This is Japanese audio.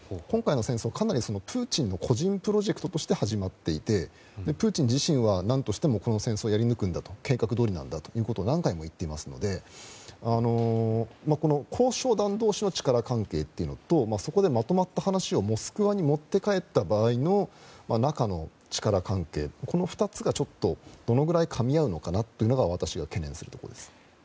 今回の戦争は、かなりプーチンの個人プロジェクトとして始まっていてプーチン自身は何としてもこの戦争をやり抜くんだ計画どおりなんだと何回も言っていますのでこの交渉団同士の力関係というのとそこでまとまった話をモスクワに持って帰った場合の中の力関係という、この２つがちょっと、どのぐらいかみ合うのかなというのが私が懸念するところです。